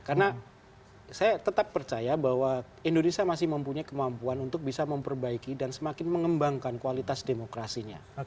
karena saya tetap percaya bahwa indonesia masih mempunyai kemampuan untuk bisa memperbaiki dan semakin mengembangkan kualitas demokrasinya